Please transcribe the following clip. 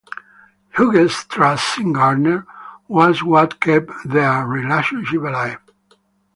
Hughes' trust in Gardner was what kept their relationship alive.